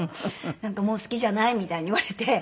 「なんかもう好きじゃない」みたいに言われて。